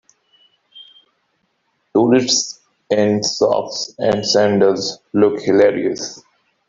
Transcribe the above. Tourists in socks and sandals look hilarious.